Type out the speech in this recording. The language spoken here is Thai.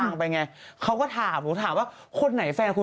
อันนี้น่ารักมาก